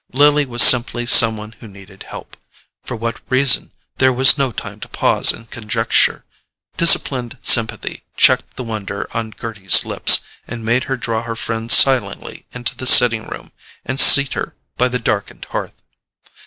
Lily was simply some one who needed help—for what reason, there was no time to pause and conjecture: disciplined sympathy checked the wonder on Gerty's lips, and made her draw her friend silently into the sitting room and seat her by the darkened hearth.